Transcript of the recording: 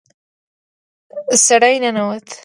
سړی ننوت.